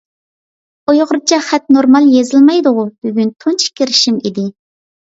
ئۇيغۇرچە خەت نورمال يېزىلمايدىغۇ؟ بۈگۈن تۇنجى كىرىشىم ئىدى.